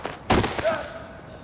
あっ。